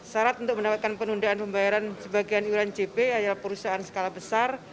sarat untuk mendapatkan penundaan pembayaran sebagian yuran jp adalah perusahaan skala besar